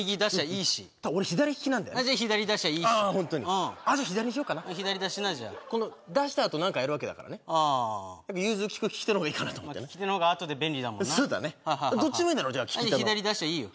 いいしただ俺左利きなんだよねじゃ左出しゃいいしああじゃ左にしようかな左出しなじゃこの出したあと何かやるわけだからね融通利く利き手のほうがいいかなと思ってね利き手のほうがあとで便利だもんなどっちでもいいだろ利き手の左出しゃいいよ